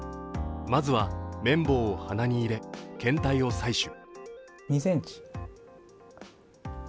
まずは綿棒を鼻に入れ検体を採取。